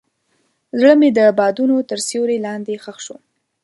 زړه مې د بادونو تر سیوري لاندې ښخ شو.